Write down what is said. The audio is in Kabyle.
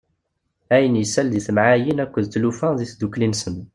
Ayen yessal deg timɛayin akked tlufa deg tddukli-nsen.